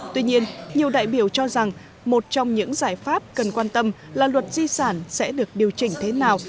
tuy nhiên nhiều đại biểu cho rằng một trong những giải pháp cần quan tâm là luật di sản sẽ được điều chỉnh thế nào